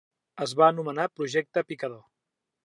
Es va anomenar projecte Picador.